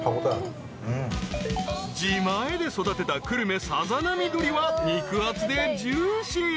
［自前で育てた久留米さざなみどりは肉厚でジューシー。